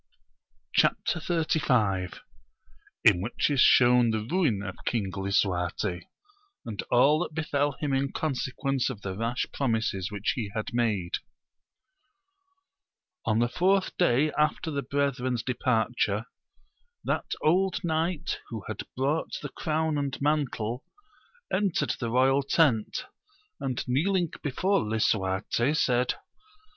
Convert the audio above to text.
188 AMADIS OF GAUL. Chap. XXXV.— In which is shown the ruin of King Lisuiurfie, and all that befell him in consequence of the rash promiset which he bad made* |N the fourth day after the brethren's de parture, that old knight who had brought the crown and mantle entered the royal tent, and kneeling before Lisuarte said.